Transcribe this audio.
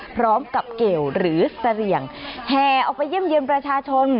พร้อมกับเกลหรือเสลี่ยงแห่ออกไปเยี่ยมเยี่ยมประชาชน